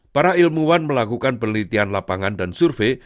para ilmuwan melakukan penelitian lapangan dan survei